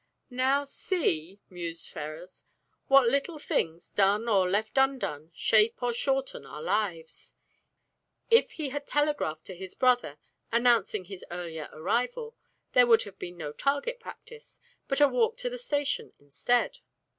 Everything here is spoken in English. "Now see," mused Ferrars, "what little things, done or left undone, shape or shorten our lives! If he had telegraphed to his brother announcing his earlier arrival, there would have been no target practice, but a walk to the station instead."